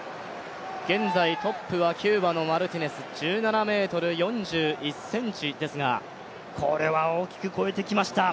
現在、トップはキューバのマルティネス、１７ｍ４１ｃｍですが、これは大きく超えてきました。